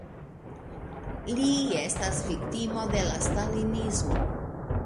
Li estas viktimo de la stalinismo.